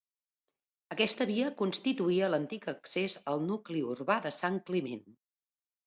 Aquesta via constituïa l'antic accés al nucli urbà de Sant Climent.